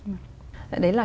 đấy là cái kế hoạch